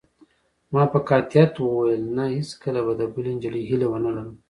ما په قاطعیت وویل: نه، هیڅکله به د بلې نجلۍ هیله ونه لرم.